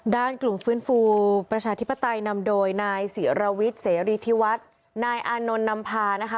ด้านกลุ่มฟื้นฟูประชาธิปไตยนำโดยนายศิรวิทย์เสรีธิวัฒน์นายอานนท์นำพานะคะ